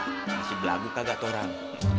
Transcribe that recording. masih berlagu kagak torang